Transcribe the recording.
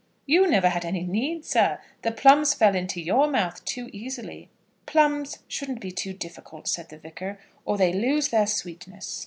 "You never had any need, sir. The plums fell into your mouth too easily." "Plums shouldn't be too difficult," said the Vicar, "or they lose their sweetness."